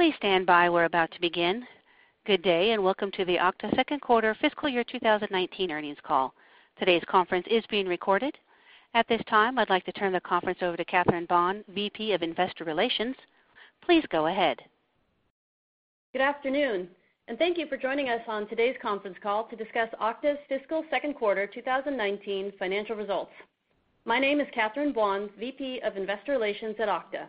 Please stand by. We're about to begin. Good day, and welcome to the Okta second quarter fiscal year 2019 earnings call. Today's conference is being recorded. At this time, I'd like to turn the conference over to Catherine Buan, VP of Investor Relations. Please go ahead. Good afternoon. Thank you for joining us on today's conference call to discuss Okta's fiscal second quarter 2019 financial results. My name is Catherine Buan, VP of Investor Relations at Okta.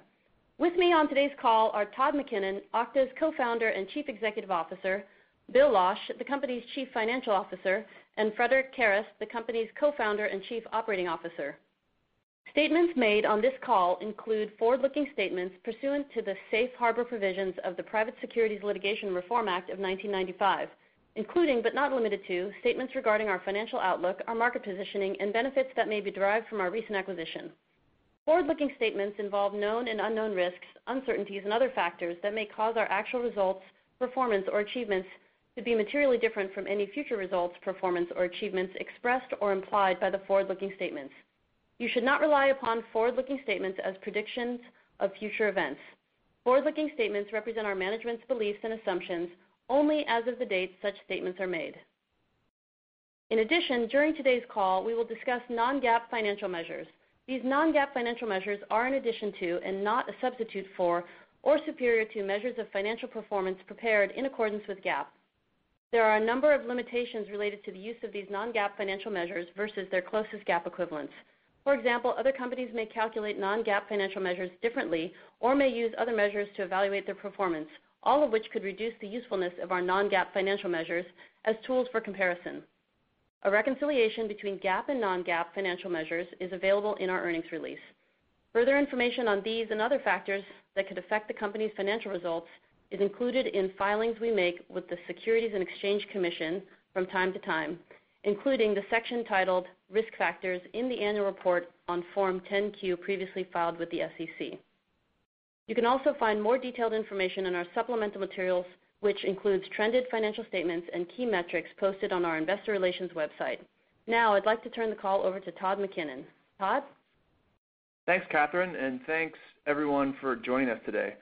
With me on today's call are Todd McKinnon, Okta's Co-founder and Chief Executive Officer, Bill Losch, the company's Chief Financial Officer, and Frederic Kerrest, the company's Co-founder and Chief Operating Officer. Statements made on this call include forward-looking statements pursuant to the safe harbor provisions of the Private Securities Litigation Reform Act of 1995, including, but not limited to, statements regarding our financial outlook, our market positioning, and benefits that may be derived from our recent acquisition. Forward-looking statements involve known and unknown risks, uncertainties, other factors that may cause our actual results, performance, or achievements to be materially different from any future results, performance, or achievements expressed or implied by the forward-looking statements. You should not rely upon forward-looking statements as predictions of future events. Forward-looking statements represent our management's beliefs and assumptions only as of the date such statements are made. In addition, during today's call, we will discuss non-GAAP financial measures. These non-GAAP financial measures are in addition to and not a substitute for or superior to measures of financial performance prepared in accordance with GAAP. There are a number of limitations related to the use of these non-GAAP financial measures versus their closest GAAP equivalents. For example, other companies may calculate non-GAAP financial measures differently or may use other measures to evaluate their performance, all of which could reduce the usefulness of our non-GAAP financial measures as tools for comparison. A reconciliation between GAAP and non-GAAP financial measures is available in our earnings release. Further information on these and other factors that could affect the company's financial results is included in filings we make with the Securities and Exchange Commission from time to time, including the section titled Risk Factors in the annual report on Form 10-Q previously filed with the SEC. You can also find more detailed information in our supplemental materials, which includes trended financial statements and key metrics posted on our investor relations website. I'd like to turn the call over to Todd McKinnon. Todd? Thanks, Catherine, and thanks everyone for joining us today.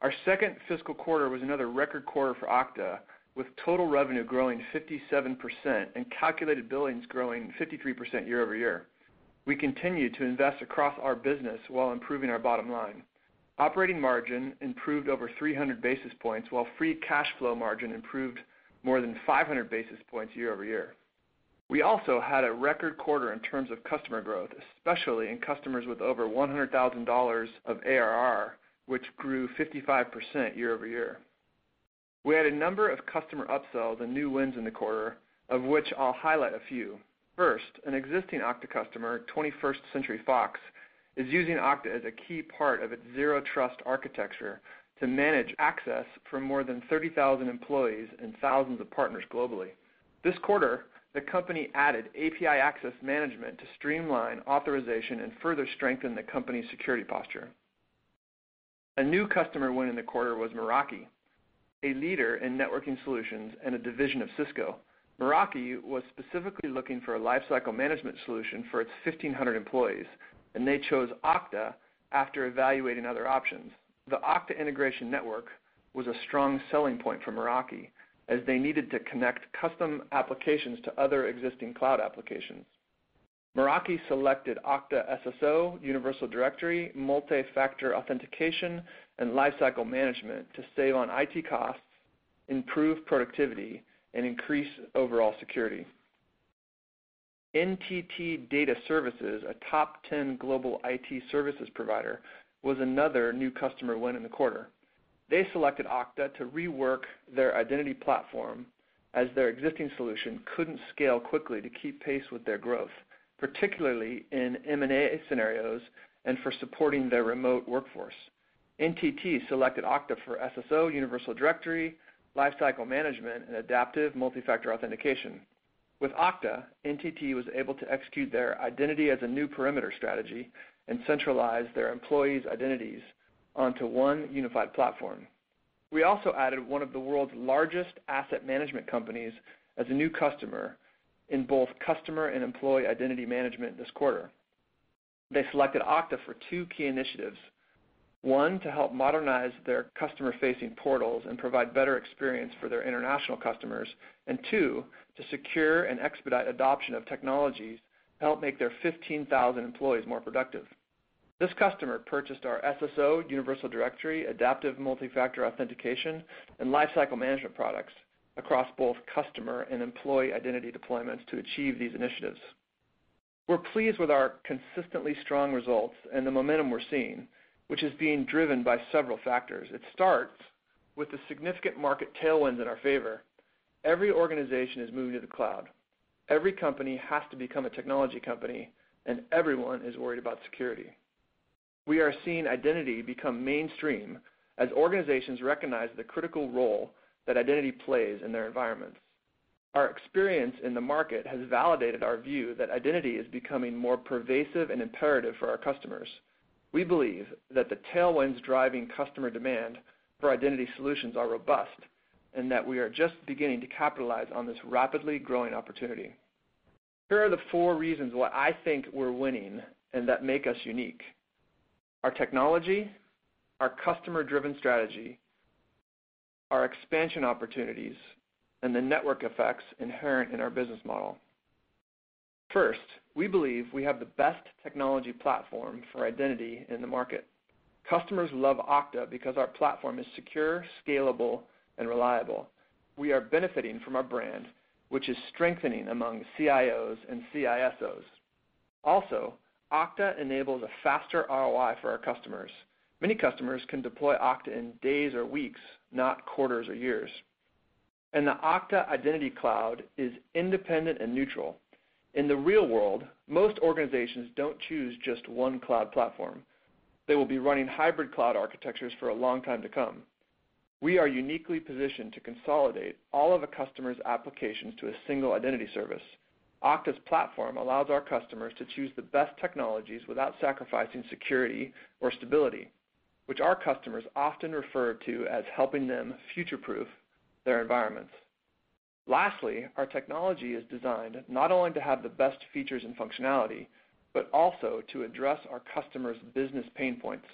Our second fiscal quarter was another record quarter for Okta, with total revenue growing 57% and calculated billings growing 53% year-over-year. We continue to invest across our business while improving our bottom line. Operating margin improved over 300 basis points, while free cash flow margin improved more than 500 basis points year-over-year. We also had a record quarter in terms of customer growth, especially in customers with over $100,000 of ARR, which grew 55% year-over-year. We had a number of customer upsells and new wins in the quarter, of which I'll highlight a few. First, an existing Okta customer, 21st Century Fox, is using Okta as a key part of its Zero Trust architecture to manage access for more than 30,000 employees and thousands of partners globally. This quarter, the company added API Access Management to streamline authorization and further strengthen the company's security posture. A new customer win in the quarter was Meraki, a leader in networking solutions and a division of Cisco. Meraki was specifically looking for a Lifecycle Management solution for its 1,500 employees, and they chose Okta after evaluating other options. The Okta Integration Network was a strong selling point for Meraki, as they needed to connect custom applications to other existing cloud applications. Meraki selected Okta SSO, Universal Directory, Multi-Factor Authentication, and Lifecycle Management to save on IT costs, improve productivity, and increase overall security. NTT Data Services, a top 10 global IT services provider, was another new customer win in the quarter. They selected Okta to rework their identity platform as their existing solution couldn't scale quickly to keep pace with their growth, particularly in M&A scenarios and for supporting their remote workforce. NTT selected Okta for SSO, Universal Directory, Lifecycle Management, and Adaptive Multi-Factor Authentication. With Okta, NTT was able to execute their identity as a new perimeter strategy and centralize their employees' identities onto one unified platform. We also added one of the world's largest asset management companies as a new customer in both customer and employee identity management this quarter. They selected Okta for two key initiatives. One, to help modernize their customer-facing portals and provide better experience for their international customers. Two, to secure and expedite adoption of technologies to help make their 15,000 employees more productive. This customer purchased our SSO, Universal Directory, Adaptive Multi-Factor Authentication, and Lifecycle Management products across both customer and employee identity deployments to achieve these initiatives. We're pleased with our consistently strong results and the momentum we're seeing, which is being driven by several factors. It starts with the significant market tailwinds in our favor. Every organization is moving to the cloud. Every company has to become a technology company, and everyone is worried about security. We are seeing identity become mainstream as organizations recognize the critical role that identity plays in their environments. Our experience in the market has validated our view that identity is becoming more pervasive and imperative for our customers. We believe that the tailwinds driving customer demand for identity solutions are robust that we are just beginning to capitalize on this rapidly growing opportunity. Here are the four reasons why I think we're winning and that make us unique: our technology, our customer-driven strategy, our expansion opportunities, and the network effects inherent in our business model. First, we believe we have the best technology platform for identity in the market. Customers love Okta because our platform is secure, scalable, and reliable. We are benefiting from our brand, which is strengthening among CIOs and CISO. Okta enables a faster ROI for our customers. Many customers can deploy Okta in days or weeks, not quarters or years. The Okta Identity Cloud is independent and neutral. In the real world, most organizations don't choose just one cloud platform. They will be running hybrid cloud architectures for a long time to come. We are uniquely positioned to consolidate all of a customer's applications to a single identity service. Okta's platform allows our customers to choose the best technologies without sacrificing security or stability, which our customers often refer to as helping them future-proof their environments. Lastly, our technology is designed not only to have the best features and functionality, but also to address our customers' business pain points.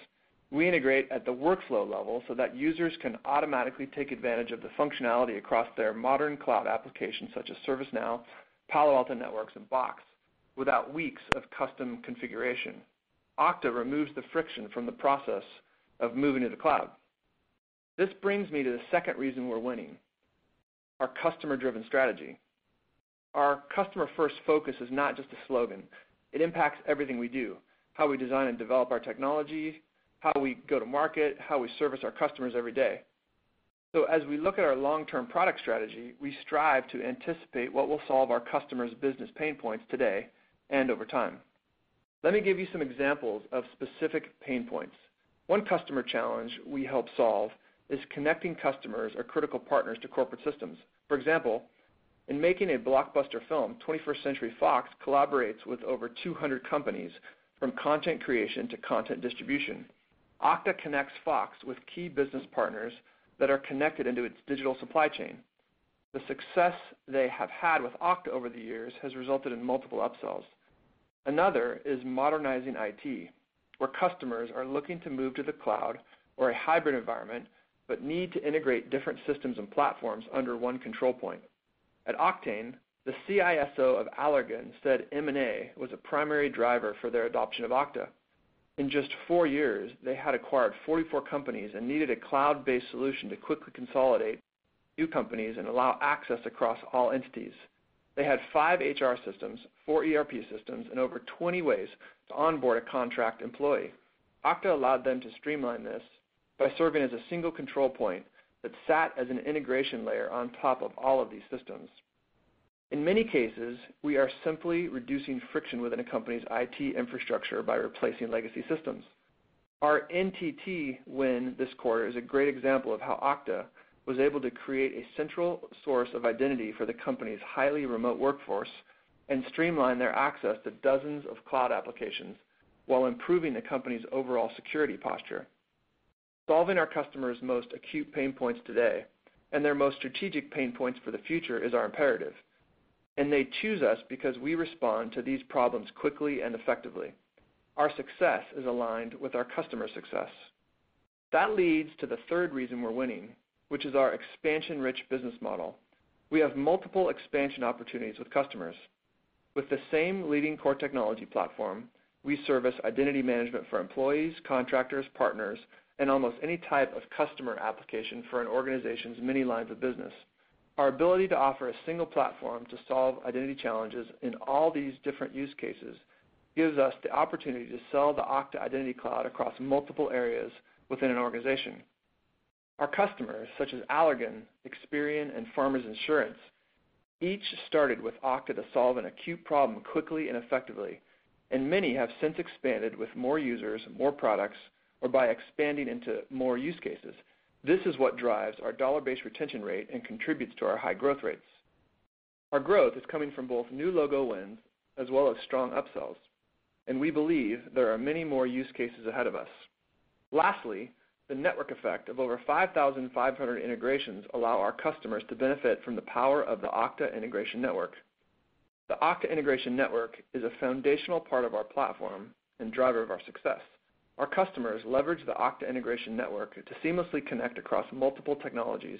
We integrate at the workflow level so that users can automatically take advantage of the functionality across their modern cloud applications, such as ServiceNow, Palo Alto Networks, and Box, without weeks of custom configuration. Okta removes the friction from the process of moving to the cloud. This brings me to the second reason we're winning, our customer-driven strategy. Our customer-first focus is not just a slogan. It impacts everything we do, how we design and develop our technology, how we go to market, how we service our customers every day. As we look at our long-term product strategy, we strive to anticipate what will solve our customers' business pain points today and over time. Let me give you some examples of specific pain points. One customer challenge we help solve is connecting customers or critical partners to corporate systems. For example, in making a blockbuster film, 21st Century Fox collaborates with over 200 companies, from content creation to content distribution. Okta connects Fox with key business partners that are connected into its digital supply chain. The success they have had with Okta over the years has resulted in multiple upsells. Another is modernizing IT, where customers are looking to move to the cloud or a hybrid environment but need to integrate different systems and platforms under one control point. At Oktane, the CISO of Allergan said M&A was a primary driver for their adoption of Okta. In just four years, they had acquired 44 companies and needed a cloud-based solution to quickly consolidate new companies and allow access across all entities. They had five HR systems, four ERP systems, and over 20 ways to onboard a contract employee. Okta allowed them to streamline this by serving as a single control point that sat as an integration layer on top of all of these systems. In many cases, we are simply reducing friction within a company's IT infrastructure by replacing legacy systems. Our NTT win this quarter is a great example of how Okta was able to create a central source of identity for the company's highly remote workforce and streamline their access to dozens of cloud applications while improving the company's overall security posture. Solving our customers' most acute pain points today and their most strategic pain points for the future is our imperative. They choose us because we respond to these problems quickly and effectively. Our success is aligned with our customers' success. That leads to the third reason we're winning, which is our expansion-rich business model. We have multiple expansion opportunities with customers. With the same leading core technology platform, we service identity management for employees, contractors, partners, and almost any type of customer application for an organization's many lines of business. Our ability to offer a single platform to solve identity challenges in all these different use cases gives us the opportunity to sell the Okta Identity Cloud across multiple areas within an organization. Our customers, such as Allergan, Experian, and Farmers Insurance, each started with Okta to solve an acute problem quickly and effectively. Many have since expanded with more users, more products, or by expanding into more use cases. This is what drives our dollar-based retention rate and contributes to our high growth rates. Our growth is coming from both new logo wins as well as strong upsells. We believe there are many more use cases ahead of us. Lastly, the network effect of over 5,500 integrations allow our customers to benefit from the power of the Okta Integration Network. The Okta Integration Network is a foundational part of our platform and driver of our success. Our customers leverage the Okta Integration Network to seamlessly connect across multiple technologies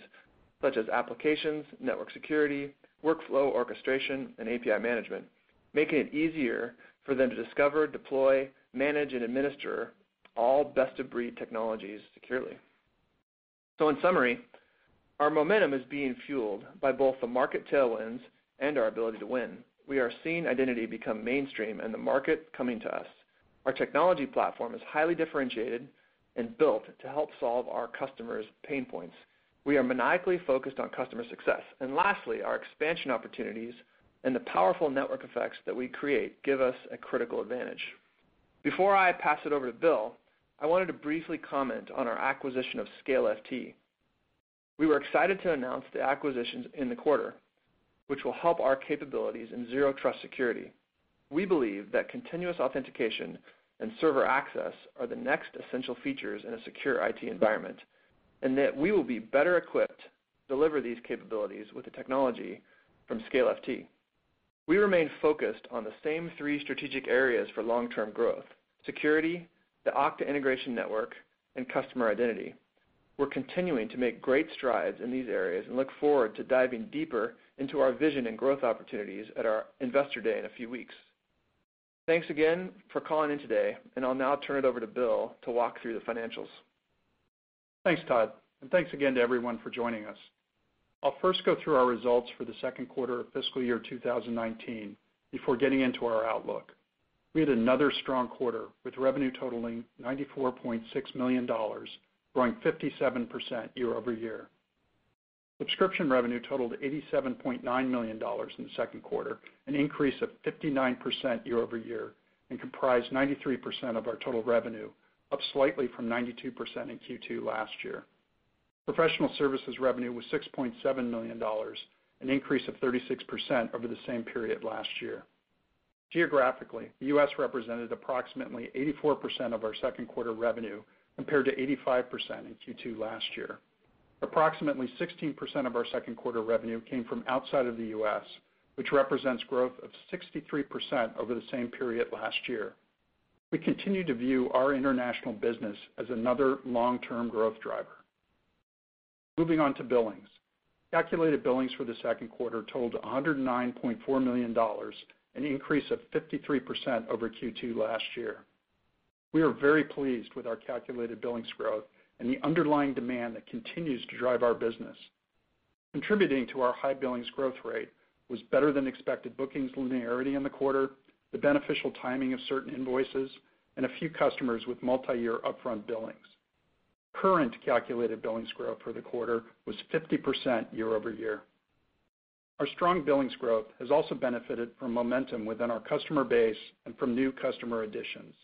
such as applications, network security, workflow orchestration, and API management, making it easier for them to discover, deploy, manage, and administer all best-of-breed technologies securely. In summary, our momentum is being fueled by both the market tailwinds and our ability to win. We are seeing identity become mainstream and the market coming to us. Our technology platform is highly differentiated and built to help solve our customers' pain points. We are maniacally focused on customer success. Lastly, our expansion opportunities and the powerful network effects that we create give us a critical advantage. Before I pass it over to Bill, I wanted to briefly comment on our acquisition of ScaleFT. We were excited to announce the acquisitions in the quarter, which will help our capabilities in Zero Trust security. We believe that continuous authentication and server access are the next essential features in a secure IT environment. We will be better equipped to deliver these capabilities with the technology from ScaleFT. We remain focused on the same three strategic areas for long-term growth, security, the Okta Integration Network, and customer identity. We're continuing to make great strides in these areas and look forward to diving deeper into our vision and growth opportunities at our Investor Day in a few weeks. Thanks again for calling in today. I'll now turn it over to Bill to walk through the financials. Thanks, Todd, and thanks again to everyone for joining us. I'll first go through our results for the second quarter of fiscal year 2019 before getting into our outlook. We had another strong quarter, with revenue totaling $94.6 million, growing 57% year-over-year. Subscription revenue totaled $87.9 million in the second quarter, an increase of 59% year-over-year, and comprised 93% of our total revenue, up slightly from 92% in Q2 last year. Professional services revenue was $6.7 million, an increase of 36% over the same period last year. Geographically, the U.S. represented approximately 84% of our second quarter revenue, compared to 85% in Q2 last year. Approximately 16% of our second quarter revenue came from outside of the U.S., which represents growth of 63% over the same period last year. We continue to view our international business as another long-term growth driver. Moving on to billings. Calculated billings for the second quarter totaled $109.4 million, an increase of 53% over Q2 last year. We are very pleased with our calculated billings growth and the underlying demand that continues to drive our business. Contributing to our high billings growth rate was better than expected bookings linearity in the quarter, the beneficial timing of certain invoices, and a few customers with multi-year upfront billings. Current calculated billings growth for the quarter was 50% year-over-year. Our strong billings growth has also benefited from momentum within our customer base and from new customer additions.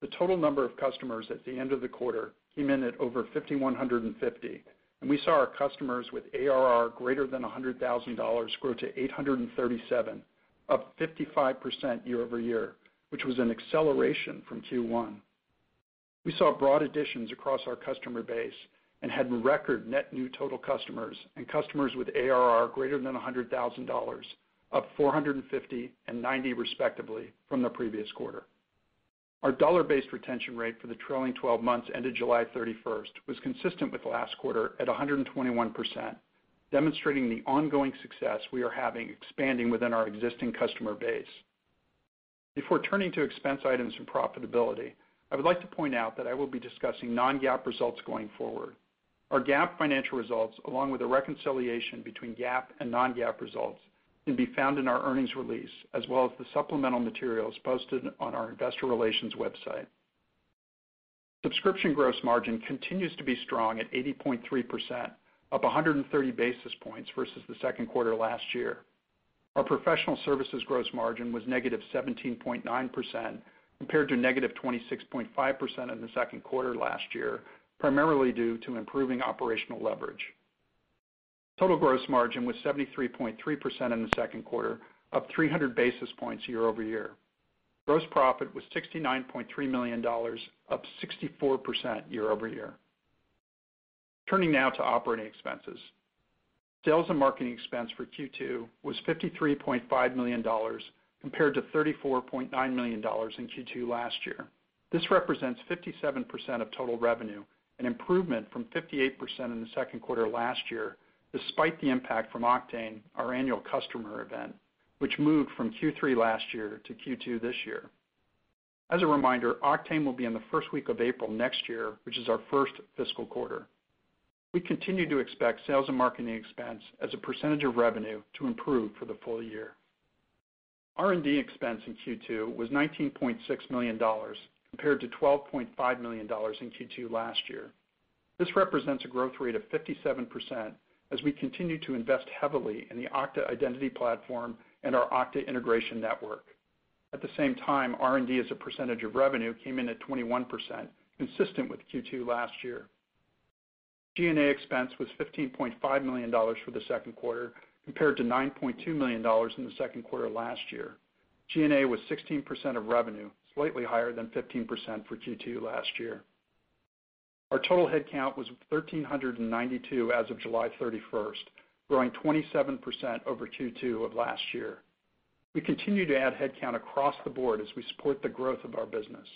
The total number of customers at the end of the quarter came in at over 5,150, and we saw our customers with ARR greater than $100,000 grow to 837, up 55% year-over-year, which was an acceleration from Q1. We saw broad additions across our customer base and had record net new total customers and customers with ARR greater than $100,000, up 450 and 90 respectively from the previous quarter. Our dollar-based retention rate for the trailing 12 months ended July 31st was consistent with last quarter at 121%, demonstrating the ongoing success we are having expanding within our existing customer base. Before turning to expense items and profitability, I would like to point out that I will be discussing non-GAAP results going forward. Our GAAP financial results, along with a reconciliation between GAAP and non-GAAP results, can be found in our earnings release as well as the supplemental materials posted on our investor relations website. Subscription gross margin continues to be strong at 80.3%, up 130 basis points versus the second quarter last year. Our professional services gross margin was negative 17.9%, compared to negative 26.5% in the second quarter last year, primarily due to improving operational leverage. Total gross margin was 73.3% in the second quarter, up 300 basis points year-over-year. Gross profit was $69.3 million, up 64% year-over-year. Turning now to operating expenses. Sales and marketing expense for Q2 was $53.5 million, compared to $34.9 million in Q2 last year. This represents 57% of total revenue, an improvement from 58% in the second quarter last year, despite the impact from Oktane, our annual customer event, which moved from Q3 last year to Q2 this year. As a reminder, Oktane will be in the first week of April next year, which is our first fiscal quarter. We continue to expect sales and marketing expense as a percentage of revenue to improve for the full year. R&D expense in Q2 was $19.6 million, compared to $12.5 million in Q2 last year. This represents a growth rate of 57% as we continue to invest heavily in the Okta Identity Platform and our Okta Integration Network. At the same time, R&D as a percentage of revenue came in at 21%, consistent with Q2 last year. G&A expense was $15.5 million for the second quarter, compared to $9.2 million in the second quarter last year. G&A was 16% of revenue, slightly higher than 15% for Q2 last year. Our total headcount was 1,392 as of July 31st, growing 27% over Q2 of last year. We continue to add headcount across the board as we support the growth of our business.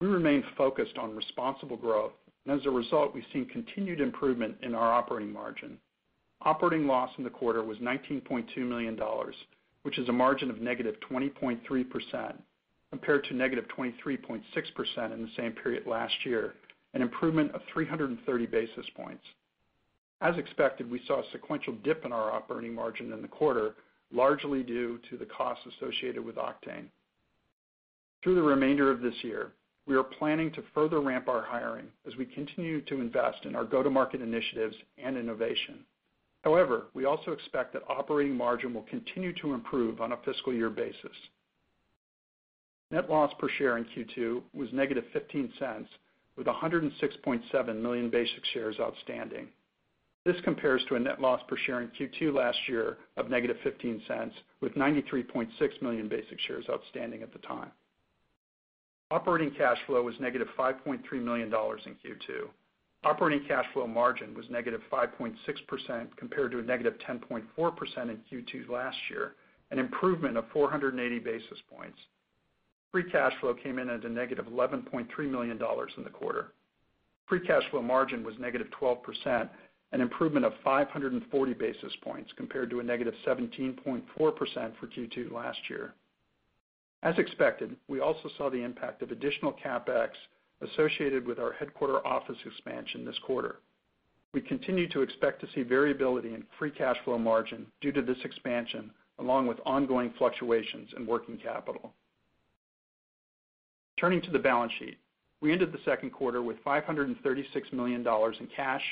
We remain focused on responsible growth, and as a result, we've seen continued improvement in our operating margin. Operating loss in the quarter was $19.2 million, which is a margin of negative 20.3%, compared to negative 23.6% in the same period last year, an improvement of 330 basis points. As expected, we saw a sequential dip in our operating margin in the quarter, largely due to the costs associated with Oktane. Through the remainder of this year, we are planning to further ramp our hiring as we continue to invest in our go-to-market initiatives and innovation. We also expect that operating margin will continue to improve on a fiscal year basis. Net loss per share in Q2 was -$0.15 with 106.7 million basic shares outstanding. This compares to a net loss per share in Q2 last year of -$0.15, with 93.6 million basic shares outstanding at the time. Operating cash flow was negative $5.3 million in Q2. Operating cash flow margin was negative 5.6%, compared to a negative 10.4% in Q2 last year, an improvement of 480 basis points. Free cash flow came in as a negative $11.3 million in the quarter. Free cash flow margin was negative 12%, an improvement of 540 basis points compared to a negative 17.4% for Q2 last year. As expected, we also saw the impact of additional CapEx associated with our headquarter office expansion this quarter. We continue to expect to see variability in free cash flow margin due to this expansion, along with ongoing fluctuations in working capital. Turning to the balance sheet, we ended the second quarter with $536 million in cash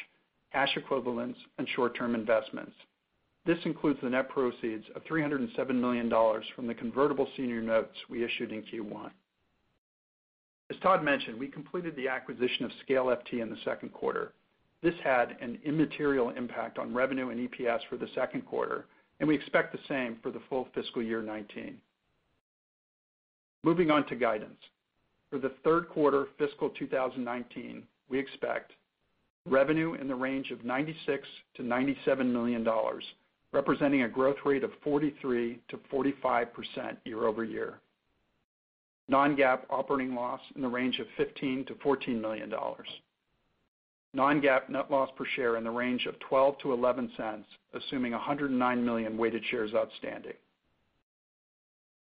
equivalents, and short-term investments. This includes the net proceeds of $307 million from the convertible senior notes we issued in Q1. As Todd mentioned, we completed the acquisition of ScaleFT in the second quarter. This had an immaterial impact on revenue and EPS for the second quarter, and we expect the same for the full fiscal year 2019. Moving on to guidance. For the third quarter fiscal 2019, we expect revenue in the range of $96 million-$97 million, representing a growth rate of 43%-45% year-over-year. Non-GAAP operating loss in the range of $15 million-$14 million. Non-GAAP net loss per share in the range of -$0.12 to -$0.11, assuming 109 million weighted shares outstanding.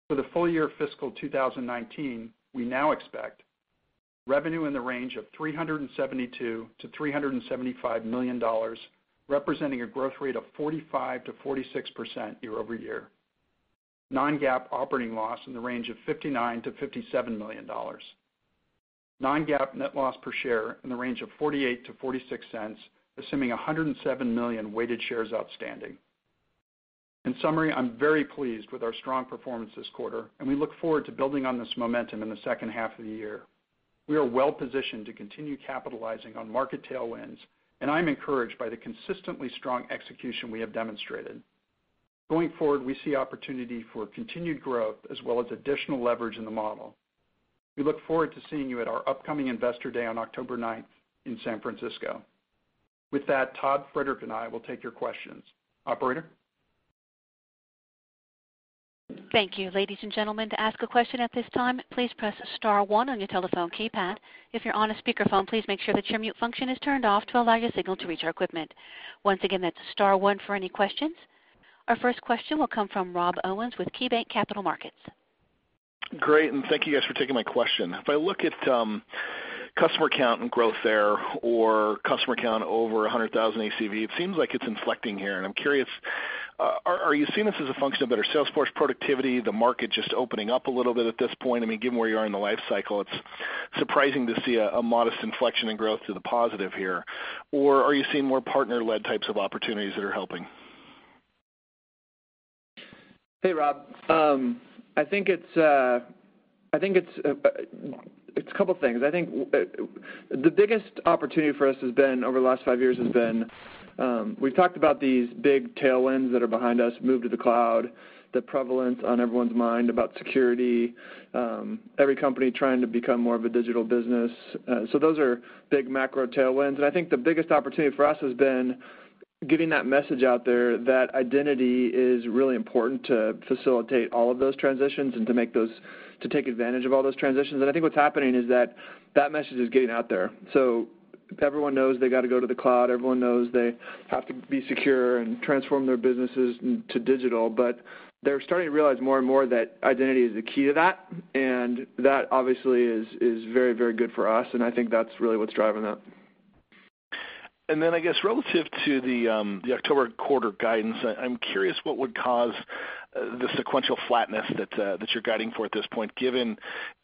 For the full year fiscal 2019, we now expect revenue in the range of $372 million-$375 million, representing a growth rate of 45%-46% year-over-year. Non-GAAP operating loss in the range of $59 million-$57 million. Non-GAAP net loss per share in the range of -$0.48 to -$0.46, assuming 107 million weighted shares outstanding. In summary, I'm very pleased with our strong performance this quarter. We look forward to building on this momentum in the second half of the year. We are well-positioned to continue capitalizing on market tailwinds. I'm encouraged by the consistently strong execution we have demonstrated. Going forward, we see opportunity for continued growth as well as additional leverage in the model. We look forward to seeing you at our upcoming Investor Day on October 9th in San Francisco. With that, Todd, Frederic, and I will take your questions. Operator? Thank you. Ladies and gentlemen, to ask a question at this time, please press star one on your telephone keypad. If you're on a speakerphone, please make sure that your mute function is turned off to allow your signal to reach our equipment. Once again, that's star one for any questions. Our first question will come from Rob Owens with KeyBanc Capital Markets. Great, thank you guys for taking my question. If I look at customer count and growth there, or customer count over 100,000 ACV, it seems like it's inflecting here. I'm curious, are you seeing this as a function of better sales force productivity, the market just opening up a little bit at this point? I mean, given where you are in the life cycle, it's surprising to see a modest inflection in growth to the positive here. Are you seeing more partner-led types of opportunities that are helping? Hey, Rob. I think it's a couple things. I think the biggest opportunity for us over the last five years has been, we've talked about these big tailwinds that are behind us, move to the cloud, the prevalence on everyone's mind about security, every company trying to become more of a digital business. Those are big macro tailwinds. I think the biggest opportunity for us has been getting that message out there that identity is really important to facilitate all of those transitions and to take advantage of all those transitions. I think what's happening is that that message is getting out there. Everyone knows they got to go to the cloud. Everyone knows they have to be secure and transform their businesses to digital, but they're starting to realize more and more that identity is the key to that, and that obviously is very good for us, and I think that's really what's driving that. I guess relative to the October quarter guidance, I'm curious what would cause the sequential flatness that you're guiding for at this point, given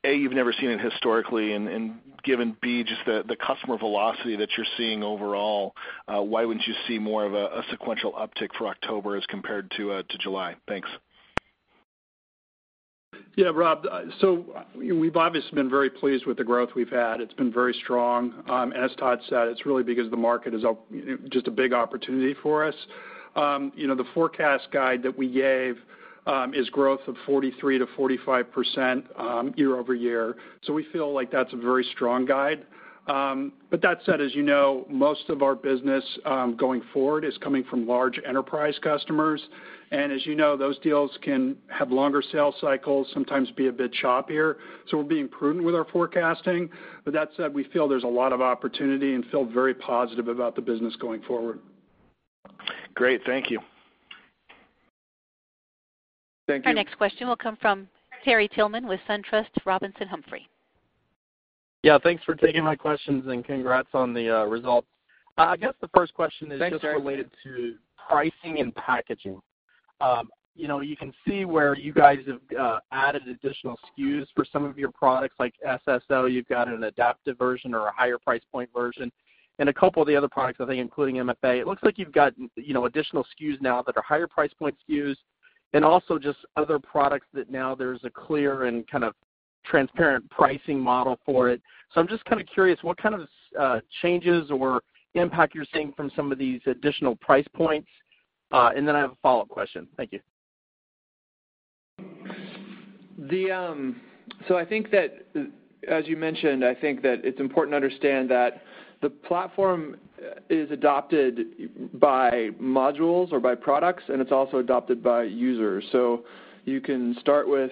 A, you've never seen it historically, and given B, just the customer velocity that you're seeing overall, why wouldn't you see more of a sequential uptick for October as compared to July? Thanks. Yeah, Rob, we've obviously been very pleased with the growth we've had. It's been very strong. As Todd said, it's really because the market is just a big opportunity for us. The forecast guide that we gave is growth of 43%-45% year-over-year. We feel like that's a very strong guide. That said, as you know, most of our business going forward is coming from large enterprise customers. As you know, those deals can have longer sales cycles, sometimes be a bit choppier. We're being prudent with our forecasting. That said, we feel there's a lot of opportunity and feel very positive about the business going forward. Great. Thank you. Thank you. Our next question will come from Terry Tillman with SunTrust Robinson Humphrey. Thanks for taking my questions and congrats on the results. I guess the first question is. Thanks, Terry. just related to pricing and packaging. You can see where you guys have added additional SKUs for some of your products like SSO. You've got an adaptive version or a higher price point version, and a couple of the other products, I think including MFA. It looks like you've got additional SKUs now that are higher price point SKUs, and also just other products that now there's a clear and kind of transparent pricing model for it. I'm just curious what kind of changes or impact you're seeing from some of these additional price points. I have a follow-up question. Thank you. I think that, as you mentioned, I think that it's important to understand that the platform is adopted by modules or by products, and it's also adopted by users. You can start with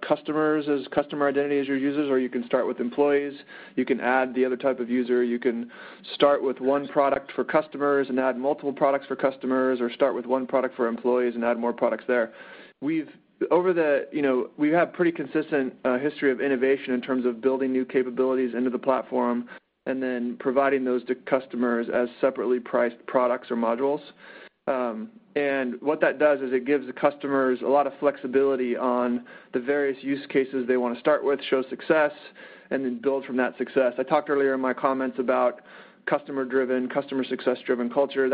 customers as customer identity as your users, or you can start with employees. You can add the other type of user. You can start with one product for customers and add multiple products for customers or start with one product for employees and add more products there. We have pretty consistent history of innovation in terms of building new capabilities into the platform and then providing those to customers as separately priced products or modules. What that does is it gives the customers a lot of flexibility on the various use cases they want to start with, show success, and then build from that success. I talked earlier in my comments about customer-driven, customer success-driven culture.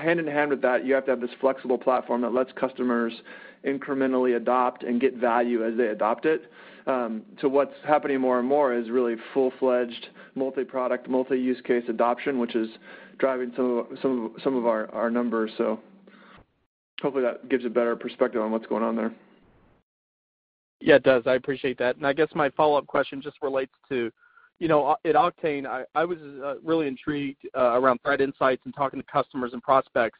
Hand-in-hand with that, you have to have this flexible platform that lets customers incrementally adopt and get value as they adopt it. What's happening more and more is really full-fledged multi-product, multi-use case adoption, which is driving some of our numbers. Hopefully that gives a better perspective on what's going on there. Yeah, it does. I appreciate that. I guess my follow-up question just relates to at Oktane, I was really intrigued around Okta ThreatInsight and talking to customers and prospects.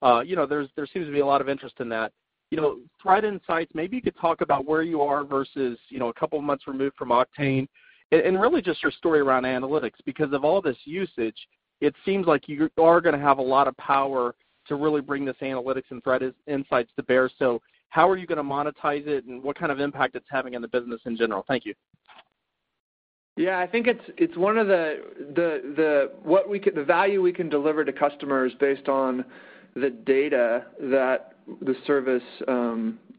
There seems to be a lot of interest in that. ThreatInsight, maybe you could talk about where you are versus a couple of months removed from Oktane and really just your story around analytics, because of all this usage, it seems like you are going to have a lot of power to really bring this analytics and Okta ThreatInsight to bear. How are you going to monetize it, and what kind of impact it's having on the business in general? Thank you. I think the value we can deliver to customers based on the data that the service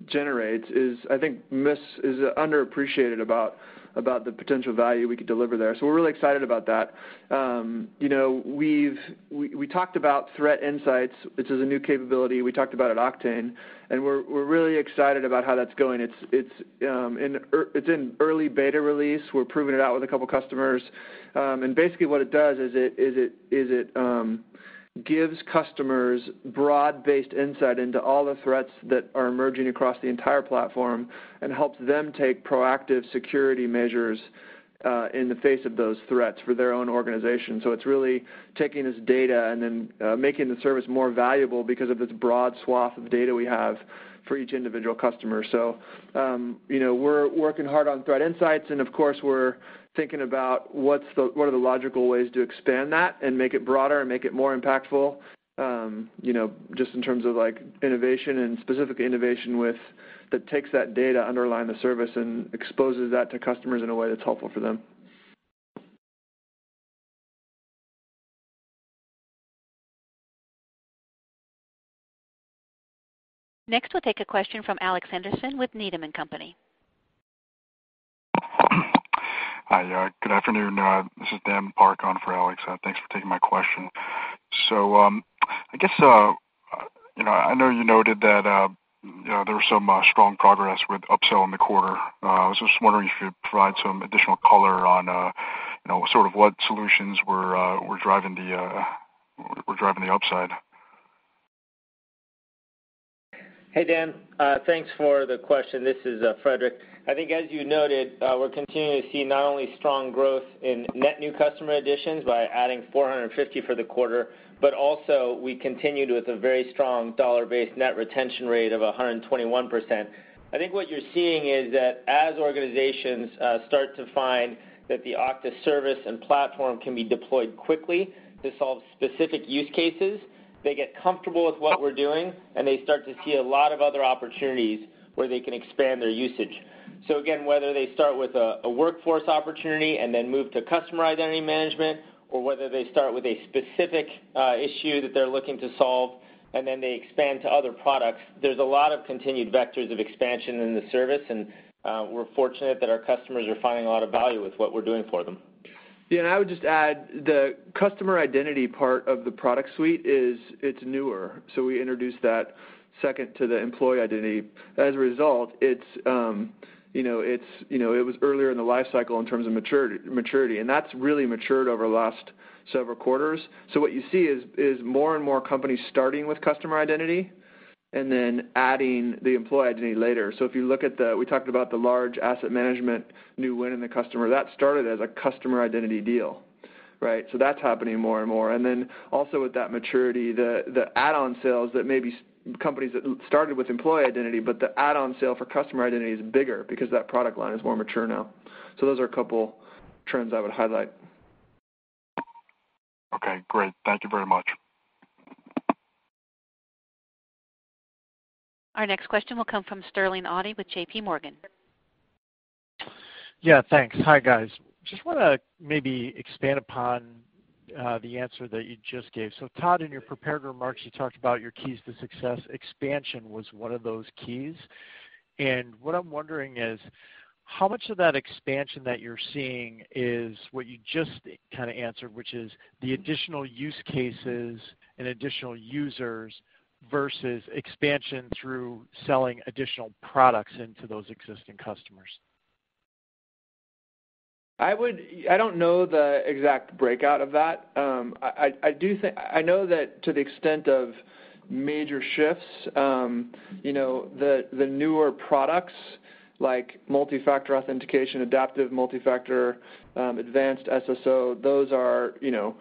generates is, I think, underappreciated about the potential value we could deliver there. We're really excited about that. We talked about Okta ThreatInsight, which is a new capability we talked about at Oktane, and we're really excited about how that's going. It's in early beta release. We're proving it out with a couple of customers. Basically, what it does is it gives customers broad-based insight into all the threats that are emerging across the entire platform and helps them take proactive security measures in the face of those threats for their own organization. It's really taking this data and then making the service more valuable because of this broad swath of data we have for each individual customer. We're working hard on Okta ThreatInsight, and of course, we're thinking about what are the logical ways to expand that and make it broader and make it more impactful just in terms of innovation and specific innovation that takes that data underlying the service and exposes that to customers in a way that's helpful for them. Next, we'll take a question from Alex Henderson with Needham & Company. Hi. Good afternoon. This is Dan Park on for Alex. Thanks for taking my question. I know you noted that there was some strong progress with upsell in the quarter. I was just wondering if you could provide some additional color on sort of what solutions were driving the upside. Hey, Dan. Thanks for the question. This is Frederic. I think as you noted, we're continuing to see not only strong growth in net new customer additions by adding 450 for the quarter, but also we continued with a very strong dollar-based net retention rate of 121%. I think what you're seeing is that as organizations start to find that the Okta service and platform can be deployed quickly to solve specific use cases, they get comfortable with what we're doing, and they start to see a lot of other opportunities where they can expand their usage. Again, whether they start with a workforce opportunity and then move to customer identity management, or whether they start with a specific issue that they're looking to solve and then they expand to other products, there's a lot of continued vectors of expansion in the service, and we're fortunate that our customers are finding a lot of value with what we're doing for them. Dan, I would just add the customer identity part of the product suite is newer. We introduced that second to the employee identity. As a result, it was earlier in the life cycle in terms of maturity, and that's really matured over the last several quarters. What you see is more and more companies starting with customer identity and then adding the employee identity later. If you look at the-- we talked about the large asset management new win in the customer. That started as a customer identity deal, right. Also with that maturity, the add-on sales that maybe companies that started with employee identity, but the add-on sale for customer identity is bigger because that product line is more mature now. Those are a couple trends I would highlight. Okay, great. Thank you very much. Our next question will come from Sterling Auty with J.P. Morgan. Yeah, thanks. Hi, guys. Just want to maybe expand upon the answer that you just gave. Todd, in your prepared remarks, you talked about your keys to success. Expansion was one of those keys. What I'm wondering is how much of that expansion that you're seeing is what you just kind of answered, which is the additional use cases and additional users versus expansion through selling additional products into those existing customers? I don't know the exact breakout of that. I know that to the extent of major shifts, the newer products like Multi-Factor Authentication, Adaptive Multi-Factor, Advanced SSO,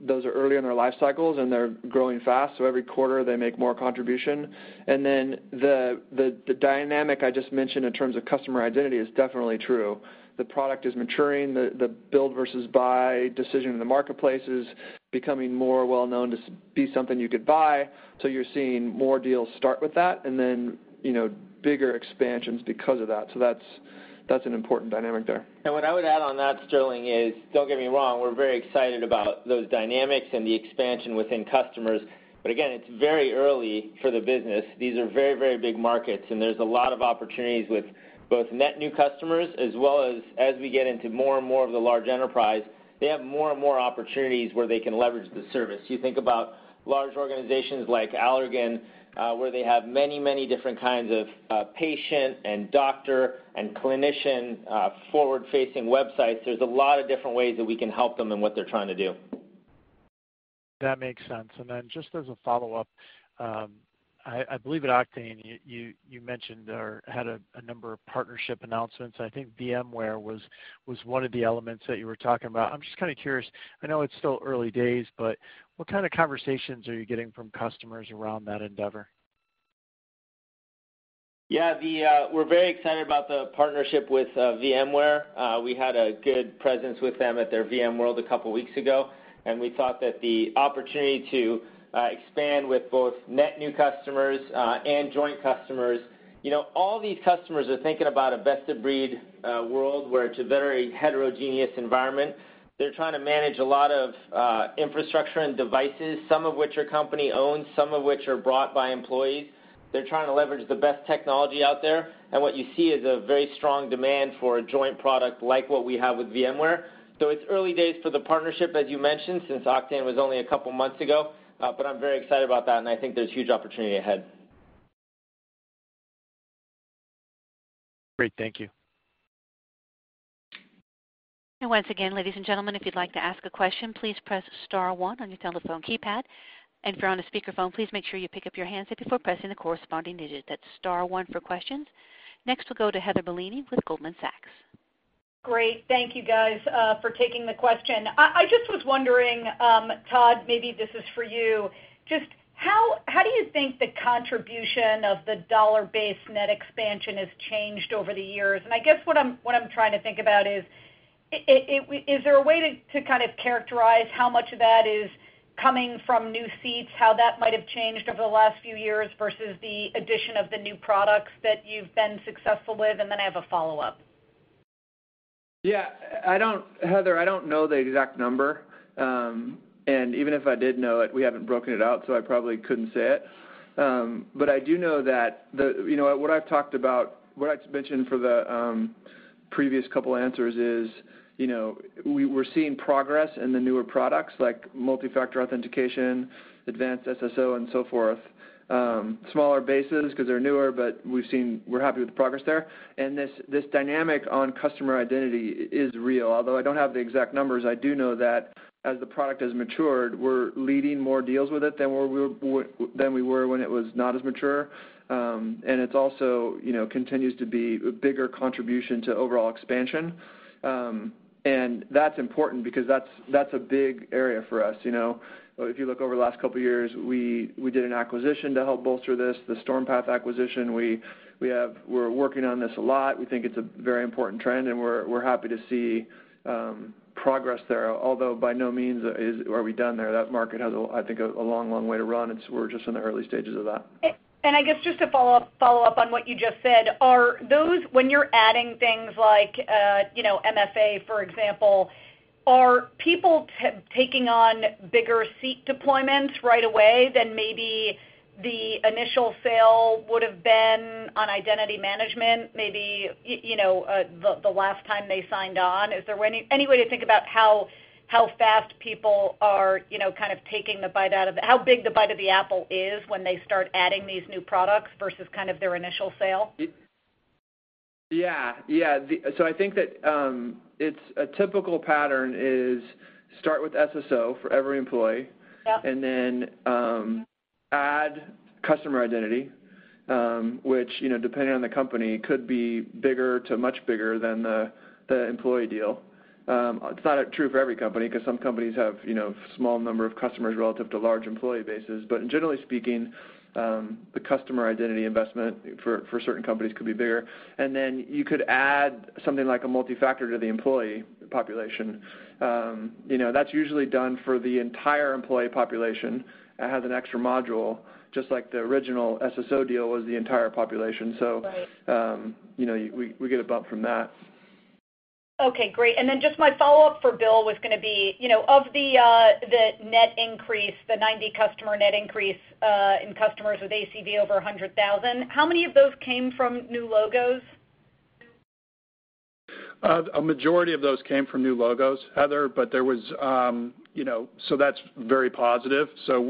those are early in their life cycles, and they're growing fast, so every quarter they make more contribution. The dynamic I just mentioned in terms of customer identity is definitely true. The product is maturing, the build versus buy decision in the marketplace is becoming more well-known to be something you could buy, so you're seeing more deals start with that, and then bigger expansions because of that. That's an important dynamic there. What I would add on that, Sterling, is don't get me wrong, we're very excited about those dynamics and the expansion within customers. Again, it's very early for the business. These are very big markets, and there's a lot of opportunities with both net new customers as well as we get into more and more of the large enterprise, they have more and more opportunities where they can leverage the service. You think about large organizations like Allergan, where they have many different kinds of patient and doctor and clinician forward-facing websites. There's a lot of different ways that we can help them in what they're trying to do. That makes sense. Just as a follow-up, I believe at Oktane, you mentioned or had a number of partnership announcements. I think VMware was one of the elements that you were talking about. I'm just kind of curious, I know it's still early days, what kind of conversations are you getting from customers around that endeavor? Yeah. We're very excited about the partnership with VMware. We had a good presence with them at their VMworld a couple of weeks ago, we thought that the opportunity to expand with both net new customers and joint customers. All these customers are thinking about a best-of-breed world where it's a very heterogeneous environment. They're trying to manage a lot of infrastructure and devices, some of which are company-owned, some of which are brought by employees. They're trying to leverage the best technology out there, what you see is a very strong demand for a joint product like what we have with VMware. It's early days for the partnership, as you mentioned, since Oktane was only a couple of months ago. I'm very excited about that, I think there's huge opportunity ahead. Great. Thank you. Once again, ladies and gentlemen, if you'd like to ask a question, please press *1 on your telephone keypad. If you're on a speakerphone, please make sure you pick up your handset before pressing the corresponding digit. That's *1 for questions. Next, we'll go to Heather Bellini with Goldman Sachs. Great. Thank you guys for taking the question. I just was wondering, Todd, maybe this is for you, just how do you think the contribution of the dollar-based net expansion has changed over the years? I guess what I'm trying to think about is there a way to characterize how much of that is coming from new seats, how that might have changed over the last few years versus the addition of the new products that you've been successful with? Then I have a follow-up. Yeah. Heather, I don't know the exact number. Even if I did know it, we haven't broken it out, so I probably couldn't say it. I do know that what I've mentioned for the previous couple of answers is we're seeing progress in the newer products like Multi-Factor Authentication, Advanced SSO, and so forth. Smaller bases because they're newer, but we're happy with the progress there. This dynamic on customer identity is real. Although I don't have the exact numbers, I do know that as the product has matured, we're leading more deals with it than we were when it was not as mature. It also continues to be a bigger contribution to overall expansion. That's important because that's a big area for us. If you look over the last couple of years, we did an acquisition to help bolster this, the Stormpath acquisition. We're working on this a lot. We think it's a very important trend, and we're happy to see progress there, although by no means are we done there. That market has, I think, a long way to run, so we're just in the early stages of that. I guess just to follow up on what you just said, when you're adding things like MFA, for example, are people taking on bigger seat deployments right away than maybe the initial sale would've been on identity management, maybe the last time they signed on? Is there any way to think about how big the bite of the apple is when they start adding these new products versus their initial sale? Yeah. I think that a typical pattern is start with SSO for every employee- Yep Then add customer identity, which, depending on the company, could be bigger to much bigger than the employee deal. It's not true for every company because some companies have small number of customers relative to large employee bases. Generally speaking, the customer identity investment for certain companies could be bigger. Then you could add something like a Multi-Factor to the employee population. That's usually done for the entire employee population. It has an extra module, just like the original SSO deal was the entire population. Right. We get a bump from that. Okay, great. Then just my follow-up for Bill was going to be, of the net increase, the 90 customer net increase in customers with ACV over $100,000, how many of those came from new logos? A majority of those came from new logos, Heather, that's very positive.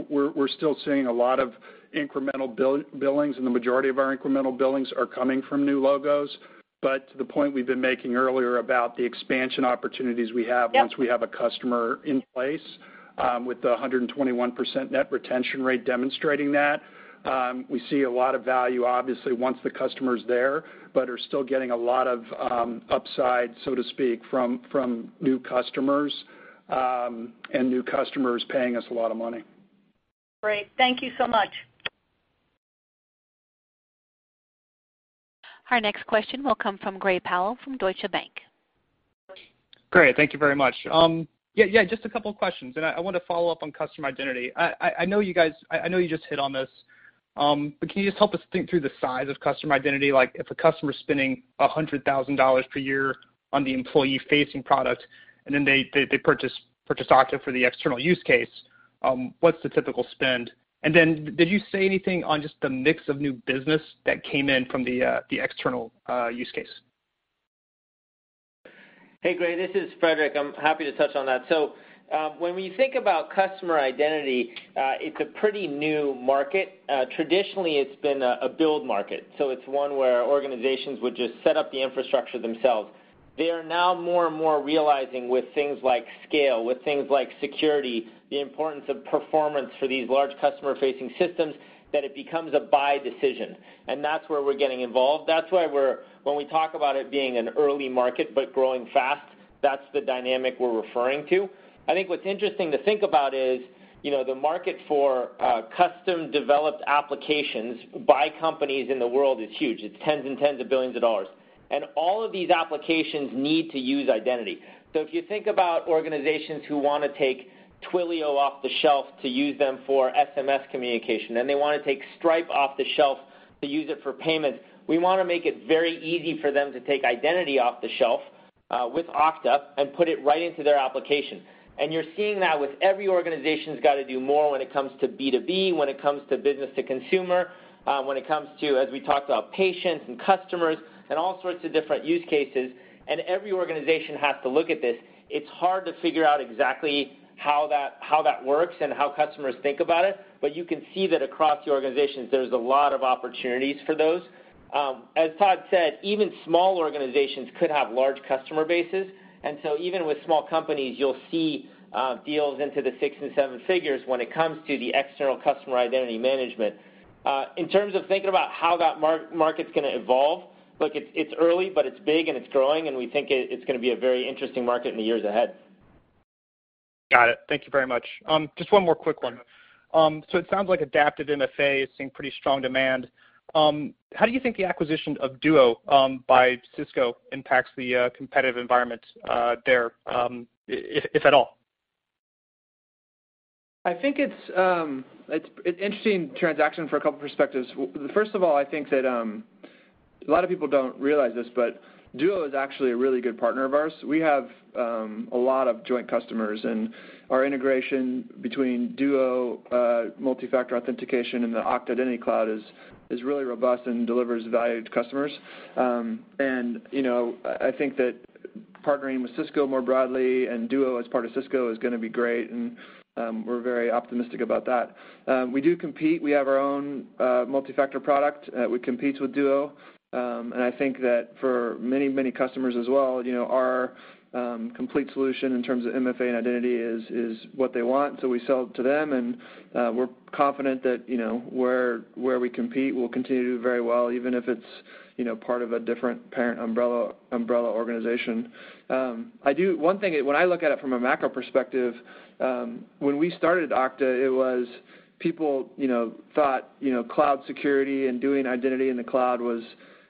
We're still seeing a lot of incremental billings, and the majority of our incremental billings are coming from new logos. To the point we've been making earlier about the expansion opportunities we have- Yep once we have a customer in place, with the 121% net retention rate demonstrating that. We see a lot of value, obviously once the customer's there, but are still getting a lot of upside, so to speak, from new customers, and new customers paying us a lot of money. Great. Thank you so much. Our next question will come from Gray Powell from Deutsche Bank. Gray, thank you very much. Just a couple of questions, I want to follow up on customer identity. I know you just hit on this, but can you just help us think through the size of customer identity? If a customer's spending $100,000 per year on the employee-facing product, then they purchase Okta for the external use case, what's the typical spend? Did you say anything on just the mix of new business that came in from the external use case? Hey, Gray. This is Frederic. I'm happy to touch on that. When we think about customer identity, it's a pretty new market. Traditionally, it's been a build market, so it's one where organizations would just set up the infrastructure themselves. They are now more and more realizing with things like scale, with things like security, the importance of performance for these large customer-facing systems, that it becomes a buy decision. That's where we're getting involved. That's why when we talk about it being an early market but growing fast, that's the dynamic we're referring to. I think what's interesting to think about is the market for custom-developed applications by companies in the world is huge. It's tens and tens of billions of dollars. All of these applications need to use identity. If you think about organizations who want to take Twilio off the shelf to use them for SMS communication, they want to take Stripe off the shelf to use it for payment, we want to make it very easy for them to take identity off the shelf with Okta and put it right into their application. You're seeing that with every organization's got to do more when it comes to B2B, when it comes to business to consumer, when it comes to, as we talked about, patients and customers and all sorts of different use cases. Every organization has to look at this. It's hard to figure out exactly how that works and how customers think about it, but you can see that across the organizations, there's a lot of opportunities for those. As Todd said, even small organizations could have large customer bases. Even with small companies, you'll see deals into the six and seven figures when it comes to the external customer identity management. In terms of thinking about how that market's going to evolve, look, it's early, but it's big and it's growing, and we think it's going to be a very interesting market in the years ahead. Got it. Thank you very much. Just one more quick one. It sounds like adaptive MFA is seeing pretty strong demand. How do you think the acquisition of Duo by Cisco impacts the competitive environment there, if at all? I think it's an interesting transaction for a couple perspectives. First of all, I think that a lot of people don't realize this, but Duo is actually a really good partner of ours. We have a lot of joint customers. Our integration between Duo Multi-Factor Authentication and the Okta Identity Cloud is really robust and delivers value to customers. I think that partnering with Cisco more broadly and Duo as part of Cisco is going to be great, and we're very optimistic about that. We do compete. We have our own multi-factor product that competes with Duo. I think that for many customers as well, our complete solution in terms of MFA and identity is what they want, so we sell it to them, and we're confident that where we compete, we'll continue to do very well, even if it's part of a different parent umbrella organization. One thing, when I look at it from a macro perspective, when we started Okta, it was people thought cloud security and doing identity in the cloud was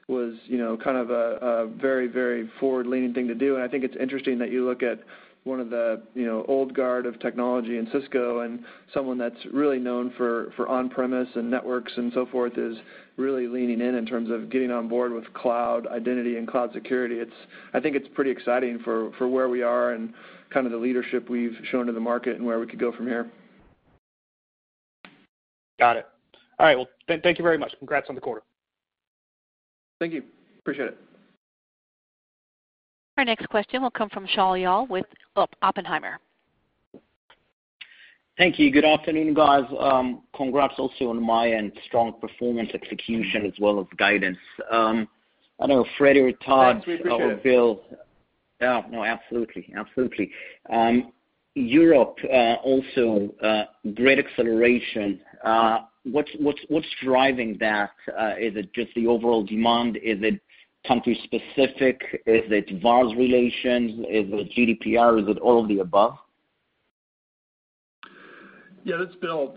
a very forward-leaning thing to do. I think it's interesting that you look at one of the old guard of technology in Cisco and someone that's really known for on-premise and networks and so forth is really leaning in in terms of getting on board with cloud identity and cloud security. I think it's pretty exciting for where we are and the leadership we've shown to the market and where we could go from here. Got it. All right. Well, thank you very much. Congrats on the quarter. Thank you. Appreciate it. Our next question will come from Shaul Eyal with Oppenheimer. Thank you. Good afternoon, guys. Congrats also on my end. Strong performance execution as well as guidance. I don't know, Frederic or Todd- Thanks. We appreciate it. or Bill. No, absolutely. Europe, also great acceleration. What's driving that? Is it just the overall demand? Is it country-specific? Is it VARs relations? Is it GDPR? Is it all of the above? Yeah. It's Bill.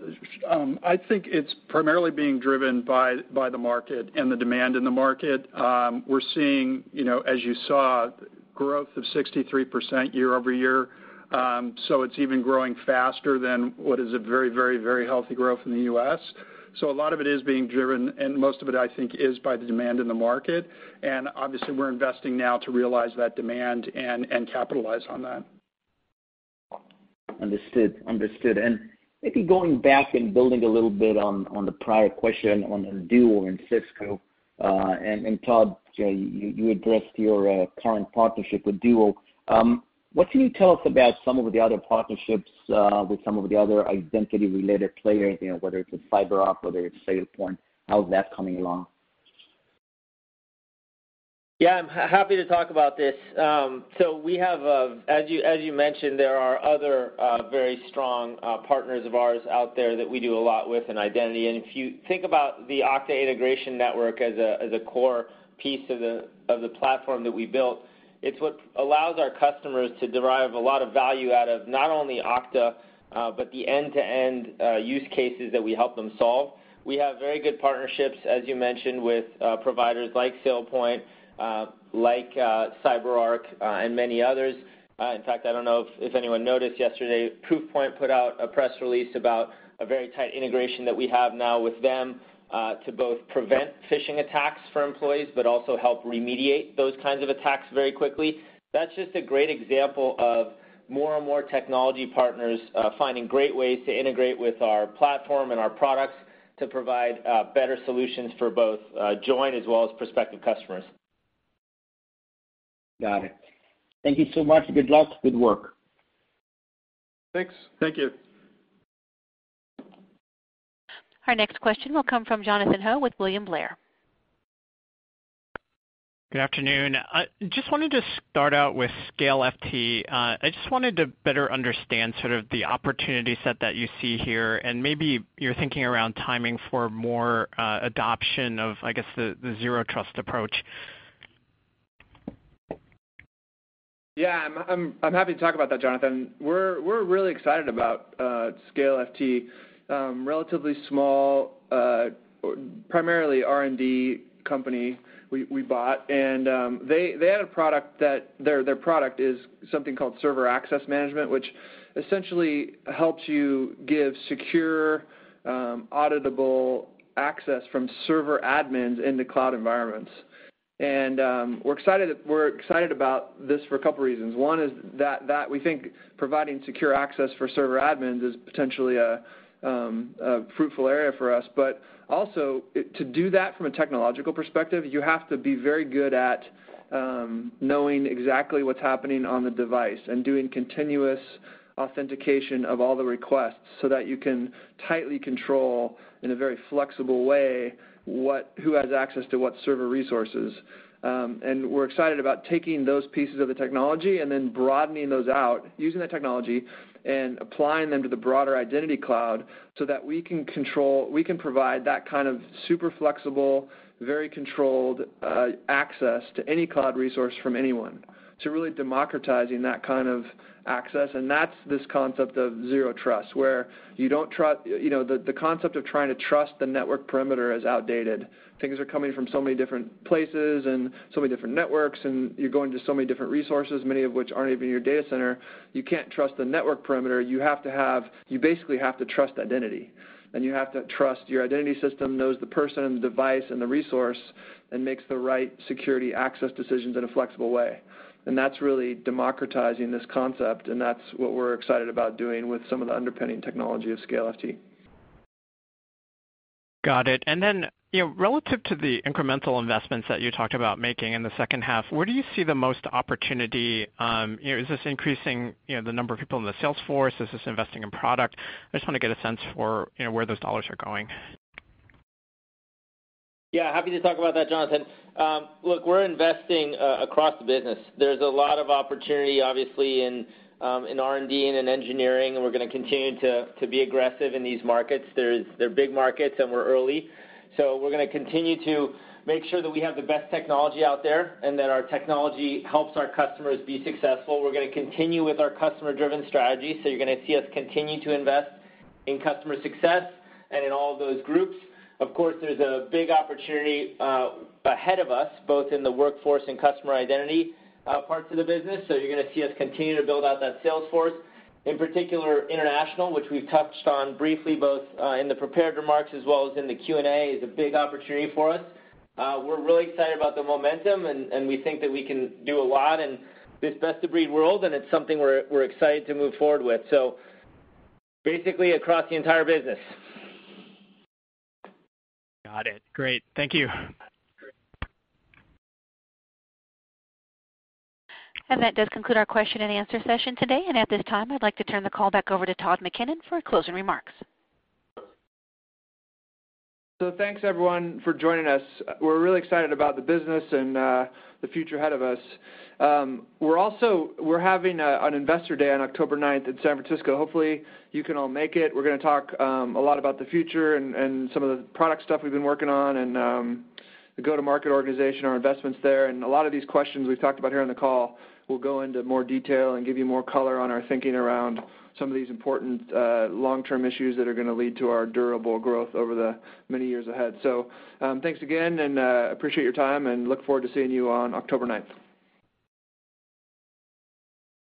I think it's primarily being driven by the market and the demand in the market. We're seeing, as you saw, growth of 63% year-over-year. It's even growing faster than what is a very healthy growth in the U.S. A lot of it is being driven, and most of it, I think, is by the demand in the market. Obviously, we're investing now to realize that demand and capitalize on that. Understood. Maybe going back and building a little bit on the prior question on Duo and Cisco, and Todd, you addressed your current partnership with Duo. What can you tell us about some of the other partnerships with some of the other identity-related players, whether it's with CyberArk, whether it's SailPoint, how's that coming along? Yeah, I'm happy to talk about this. We have, as you mentioned, there are other very strong partners of ours out there that we do a lot with in identity. If you think about the Okta Integration Network as a core piece of the platform that we built, it's what allows our customers to derive a lot of value out of not only Okta, but the end-to-end use cases that we help them solve. We have very good partnerships, as you mentioned, with providers like SailPoint, like CyberArk, and many others. In fact, I don't know if anyone noticed yesterday, Proofpoint put out a press release about a very tight integration that we have now with them, to both prevent phishing attacks for employees, but also help remediate those kinds of attacks very quickly. That's just a great example of more and more technology partners finding great ways to integrate with our platform and our products to provide better solutions for both joint as well as prospective customers. Got it. Thank you so much. Good luck. Good work. Thanks. Thank you. Our next question will come from Jonathan Ho with William Blair. Good afternoon. Just wanted to start out with ScaleFT. I just wanted to better understand sort of the opportunity set that you see here and maybe your thinking around timing for more adoption of, I guess, the Zero Trust approach. Yeah, I'm happy to talk about that, Jonathan. We're really excited about ScaleFT. Relatively small, primarily R&D company we bought, and their product is something called Advanced Server Access, which essentially helps you give secure, auditable access from server admins into cloud environments. We're excited about this for a couple reasons. One is that we think providing secure access for server admins is potentially a fruitful area for us. Also, to do that from a technological perspective, you have to be very good at knowing exactly what's happening on the device and doing continuous authentication of all the requests so that you can tightly control, in a very flexible way, who has access to what server resources. We're excited about taking those pieces of the technology and then broadening those out, using the technology, and applying them to the broader Identity Cloud so that we can provide that kind of super flexible, very controlled access to any cloud resource from anyone. Really democratizing that kind of access, and that's this concept of Zero Trust. The concept of trying to trust the network perimeter is outdated. Things are coming from so many different places and so many different networks, and you're going to so many different resources, many of which aren't even your data center. You can't trust the network perimeter. You basically have to trust identity, and you have to trust your identity system knows the person, the device, and the resource, and makes the right security access decisions in a flexible way. That's really democratizing this concept, and that's what we're excited about doing with some of the underpinning technology of ScaleFT. Got it. Then relative to the incremental investments that you talked about making in the second half, where do you see the most opportunity? Is this increasing the number of people in the sales force? Is this investing in product? I just want to get a sense for where those dollars are going. Yeah, happy to talk about that, Jonathan. Look, we're investing across the business. There's a lot of opportunity, obviously, in R&D and in engineering. We're going to continue to be aggressive in these markets. They're big markets, and we're early. We're going to continue to make sure that we have the best technology out there and that our technology helps our customers be successful. We're going to continue with our customer-driven strategy. You're going to see us continue to invest in customer success and in all of those groups. Of course, there's a big opportunity ahead of us, both in the workforce and customer identity parts of the business. You're going to see us continue to build out that sales force. In particular, international, which we've touched on briefly, both in the prepared remarks as well as in the Q&A, is a big opportunity for us. We're really excited about the momentum, and we think that we can do a lot in this best-of-breed world, and it's something we're excited to move forward with. Basically across the entire business. Got it. Great. Thank you. That does conclude our question and answer session today. At this time, I'd like to turn the call back over to Todd McKinnon for closing remarks. Thanks, everyone, for joining us. We're really excited about the business and the future ahead of us. We're having an investor day on October ninth in San Francisco. Hopefully, you can all make it. We're going to talk a lot about the future and some of the product stuff we've been working on and the go-to-market organization, our investments there. A lot of these questions we've talked about here on the call, we'll go into more detail and give you more color on our thinking around some of these important long-term issues that are going to lead to our durable growth over the many years ahead. Thanks again, and appreciate your time, and look forward to seeing you on October ninth.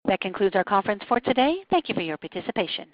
That concludes our conference for today. Thank you for your participation.